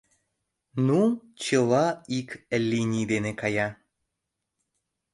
Ну, чыла ик линий дене кая...